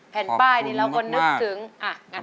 แผ่นบ้ายที่เราก็นึกถึงงั้นให้คุณกันเลยนะครับขอบคุณมาก